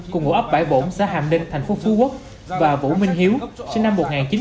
cùng ngũ ấp bãi bổn xã hàm ninh thành phố phú quốc và vũ minh hiếu sinh năm một nghìn chín trăm chín mươi bảy